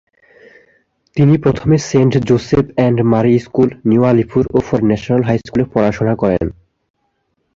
তিনি প্রথমে Saint Joseph and Mary School, New Alipur ও পরে ন্যাশনাল হাই স্কুলে পড়াশোনা করেন।